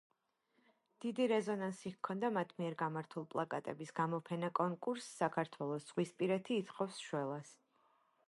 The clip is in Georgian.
დიდი რეზონანსი ჰქონდა მათ მიერ გამართულ პლაკატების გამოფენა–კონკურს „საქართველოს ზღვისპირეთი ითხოვს შველას“.